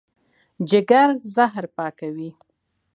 جګر زهر پاکوي.